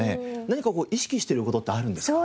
何か意識している事ってあるんですか？